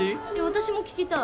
私も聞きたい。